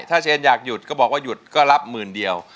ถ้าเชนอยากหยุดก็บอกว่าหยุดก็รับหมื่นเดียว